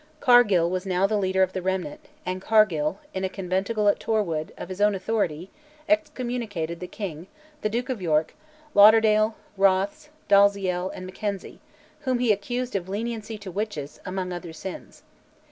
Cargill was now the leader of the Remnant, and Cargill, in a conventicle at Torwood, of his own authority excommunicated the king, the Duke of York, Lauderdale, Rothes, Dalziel, and Mackenzie, whom he accused of leniency to witches, among other sins.